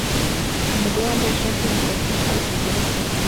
Umugore wambaye ishati yumukara ufashe ikote ryera aseka